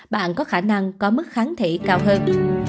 bạn có khả năng có mức kháng thể cao hơn